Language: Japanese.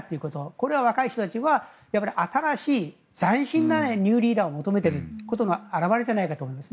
これは若い人たちは新しい斬新なニューリーダーを求めていることの表れじゃないかと思います。